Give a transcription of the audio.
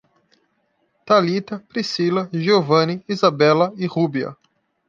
Talita, Priscila, Giovani, Isabela e Rúbia